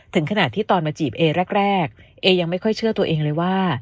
ถึงขนาดที่ตอนมาจีบเอแรกเอยังไม่ค่อยเชื่อตัวเองเลยว่า